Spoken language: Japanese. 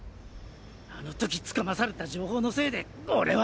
あの時掴まされた情報のせいで俺は。